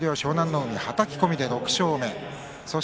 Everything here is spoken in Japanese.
海、はたき込みで６勝２敗です。